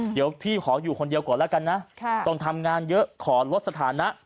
เดี๋ยวพี่ขออยู่คนเดียวก่อนแล้วกันนะต้องทำงานเยอะขอลดสถานะ